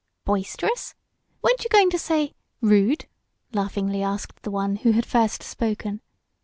"Boisterous! Weren't you going to say rude?" laughingly asked the one who had first spoken.